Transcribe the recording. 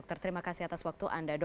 terima kasih atas waktu anda